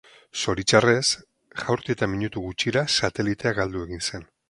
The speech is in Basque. Zoritxarrez, jaurti eta minutu gutxira, satelitea galdu egin zen.